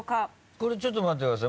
これちょっと待ってください。